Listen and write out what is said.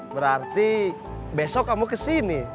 berarti besok kamu kesini